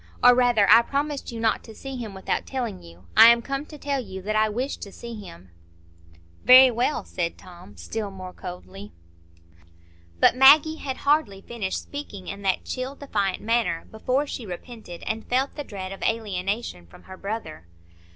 Or rather, I promised you not to see him without telling you. I am come to tell you that I wish to see him." "Very well," said Tom, still more coldly. But Maggie had hardly finished speaking in that chill, defiant manner, before she repented, and felt the dread of alienation from her brother.